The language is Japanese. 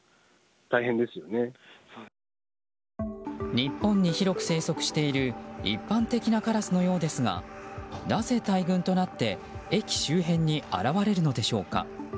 日本に広く生息している一般的なカラスのようですがなぜ大群となって駅周辺に現れるのでしょうか。